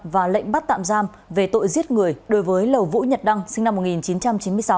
và lệnh bắt tạm giam về tội giết người đối với lầu vũ nhật đăng sinh năm một nghìn chín trăm chín mươi sáu